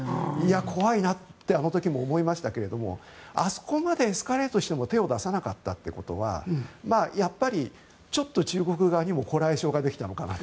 怖いなってあの時も思いましたけどあそこまでエスカレートしても手を出さなかったってことはやっぱり、ちょっと中国側にもこらえ性ができたのかなと。